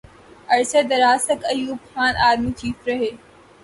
عرصہ دراز تک ایوب خان آرمی چیف رہے۔